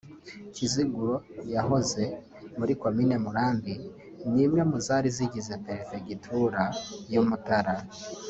Kiziguro yahoze muri Komini Murambi ni imwe mu zari zigize Perefegitura y’Umutara